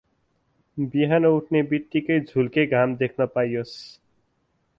बिहान उठ्ने बित्तिकै झुल्के घाम देख्न पाईयोस्।